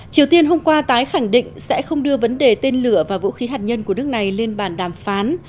triều tiên hôm qua tái khẳng định sẽ không đưa vấn đề tên lửa và vũ khí hạt nhân của nước này lên bàn đàm phán